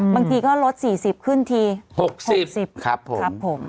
บางทีก็ลด๔๐ขึ้นที๖๔๐ครับผม